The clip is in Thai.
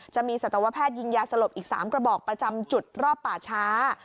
จะมีสัตวแพทย์ยิงยาสลบอีก๓กระบอกประจำจุดรอบป่าช้า